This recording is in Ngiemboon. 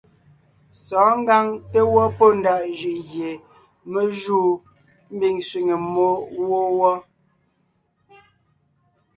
Sɔ̌ɔn ngǎŋ té gwɔ́ pɔ́ ndaʼ jʉʼ gie me júu mbiŋ sẅiŋe mmó wó wɔ́.